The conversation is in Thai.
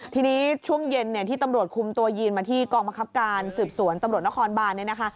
ที่นี้ช่วงเย็นที่ตำรวจคุมตัวยินมาที่กองบังคับการณ์สืบสวนตำรวจนครบาน